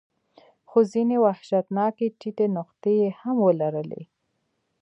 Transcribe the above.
خو ځینې وحشتناکې ټیټې نقطې یې هم ولرلې.